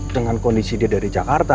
dengan kondisi dia dari jakarta